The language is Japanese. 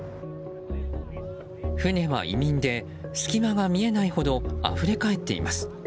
船は移民で隙間が見えないほどあふれ返っています。